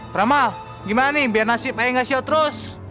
peramal gimana nih biar nasib ayo gak sial terus